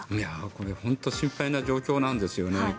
これは本当に心配な状況なんですよね。